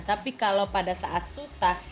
tapi kalau pada saat susah